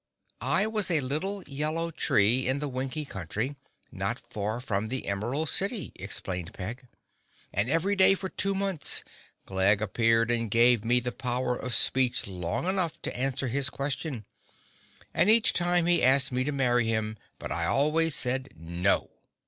"I was a little yellow tree, in the Winkie Country, not far from the Emerald City," explained Peg, "and every day for two months Glegg appeared and gave me the power of speech long enough to answer his question. And each time he asked me to marry him but I always said 'No!